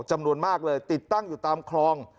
จำนวนมากเลยติดตั้งอยู่ตามคลอง